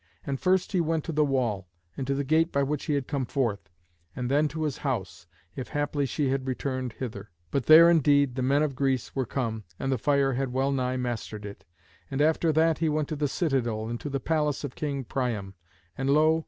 And first he went to the wall, and to the gate by which he had come forth, and then to his house, if haply she had returned thither. But there indeed the men of Greece were come, and the fire had well nigh mastered it. And after that he went to the citadel and to the palace of King Priam. And lo!